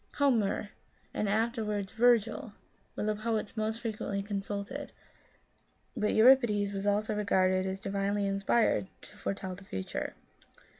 Homer, and afterwards Virgil, were the poets most frequently consulted, but Euri pides was also regarded as divinely inspired to fore telj the future.